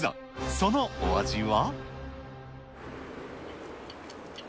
そのお味は？